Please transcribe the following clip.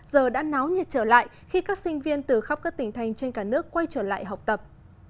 giờ đã náo nhiệt trở lại khi các sinh viên từ khắp các tỉnh thành trên cả nước quay trở lại học tập